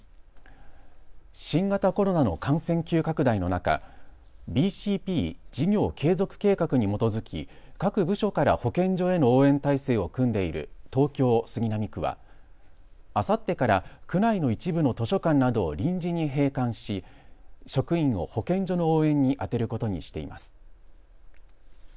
新型コロナの感染急拡大の中、ＢＣＰ・事業継続計画に基づき各部署から保健所への応援体制を組んでいる東京杉並区はあさってから区内の一部の図書館などを臨時に閉館し職員を保健所の応援に充てることにしています。